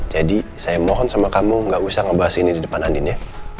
jadi saya mohon sama kamu gak usah ngebahas ini di depan andin ya